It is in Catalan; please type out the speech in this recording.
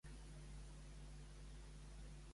Ell creu que sense religió es pot aguantar alguns fets?